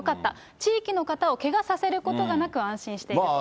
地域の方をけがさせることがなく安心していると。